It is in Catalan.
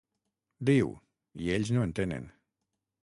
Diu—, i ells no en tenen.